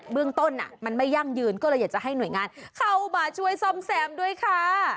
เรื่องต้นมันไม่ยั่งยืนก็เลยอยากจะให้หน่วยงานเข้ามาช่วยซ่อมแซมด้วยค่ะ